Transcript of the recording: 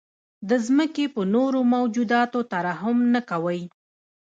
د ځمکې په نورو موجوداتو ترحم نه کوئ.